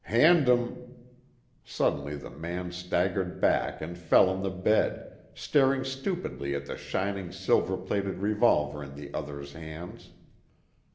Hand 'em " Suddenly the man staggered back and fell on the bed, staring stupidly at the shining silver plated revolver in the other's hands.